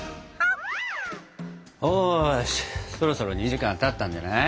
よしそろそろ２時間たったんじゃない？